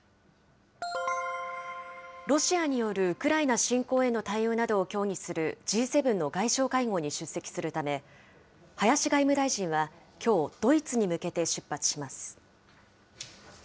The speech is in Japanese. ロシアによるウクライナ侵攻への対応などを協議するＧ７の外相会合に出席するため、林外務大臣はきょう、ドイツに向けて出発します。